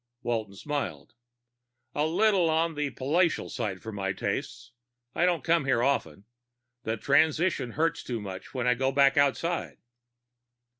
Walton smiled. "A little on the palatial side for my tastes. I don't come here often. The transition hurts too much when I go back outside."